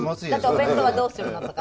お弁当はどうするのとかさ